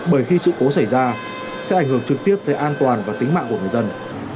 bởi khi sự cố xảy ra sẽ ảnh hưởng trực tiếp tới an toàn và tính mạng của người dân